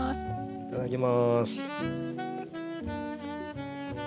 いただきます。